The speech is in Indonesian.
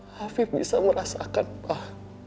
hafif bisa merasakan pak